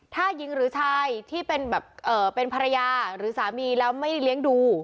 ถ้าหญิงหรือชายที่เป็นภรรยาหรือสามีแล้วไม่เลี้ยงดู